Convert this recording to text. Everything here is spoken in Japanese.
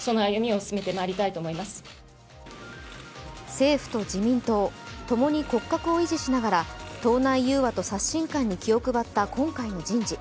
政府と自民党、ともに骨格を維持しながら党内融和と刷新感に気を配った今回の人事。